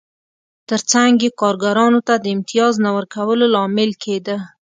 ترڅنګ یې کارګرانو ته د امتیاز نه ورکولو لامل کېده